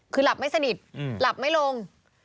คือหลับไม่สนิทหลับไม่ลง